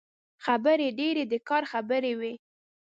خبرې يې ډېرې د کار خبرې وې.